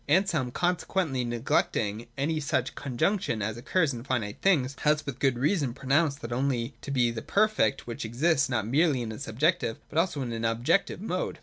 Anselm, consequently, neglecting any such con junction as occurs in finite things, has with good reason pronounced that only to be the Perfect which exists not merely in a subjective, but also in an objective mode.